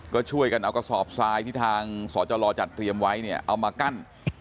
ก็ช่วยกันเอากระสอบทรายที่ทางสจจัดเตรียมไว้เนี่ยเอามากั้น